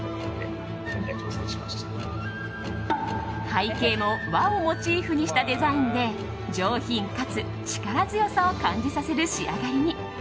背景も和をモチーフにしたデザインで上品かつ力強さを感じさせる仕上がりに。